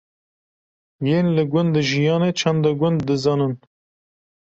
yên li gund jiyane çanda gund dizanin